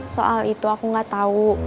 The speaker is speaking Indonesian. soal itu aku gak tahu